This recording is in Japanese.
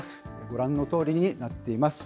ご覧のとおりになっています。